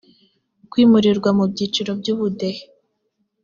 kwimurirwa mu byiciro by ubudehe